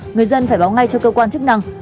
người dân phải báo ngay cho cơ quan chức năng